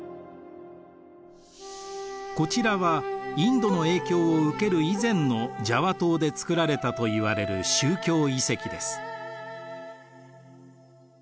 こちらはインドの影響を受ける以前のジャワ島で造られたといわれる宗教遺跡です。